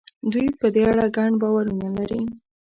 دوی په دې اړه ګڼ باورونه لري.